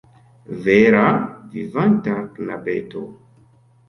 Vera vivanta knabeto!